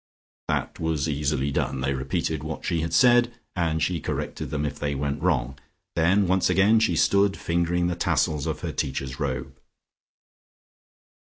That was easily done: they repeated what she had said, and she corrected them if they went wrong. Then once again she stood fingering the tassels of her Teacher's Robe.